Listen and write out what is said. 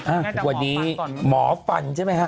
อ้าววันนี้หมอฟันใช่ไหมครับ